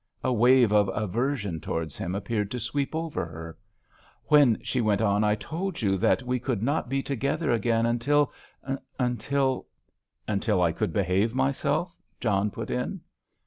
A wave of aversion towards him appeared to sweep over her. "When," she went on, "I told you that we could not be together again until—until——" "Until I could behave myself," John put in.